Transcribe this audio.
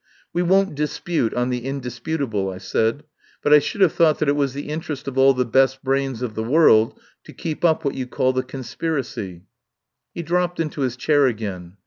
"We won't dispute on the indisputable," I said. "But I should have thought that it was the interest of all the best brains of the world to keep up what you call the conspiracy." He dropped into his chair again.